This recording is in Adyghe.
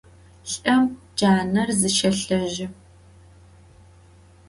Lh'ım caner zışêlhejı.